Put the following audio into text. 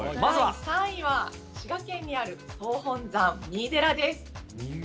第３位は、滋賀県にある総本山、三井寺です。